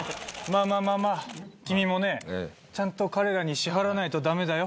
まあまあ君もねちゃんと彼らに支払わないとダメだよ。